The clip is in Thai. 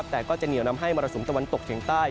แต่ก็จะเหนียวนำให้มรสุมตะวันตกเฉียงใต้